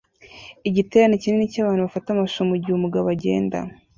Igiterane kinini cyabantu bafata amashusho mugihe umugabo agenda